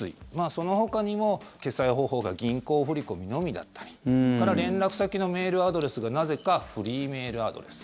そのほかにも、決済方法が銀行振り込みのみだったりそれから連絡先のメールアドレスがなぜかフリーメールアドレス。